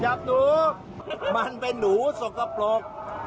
กับหนูมันเป็นหนูสกปรก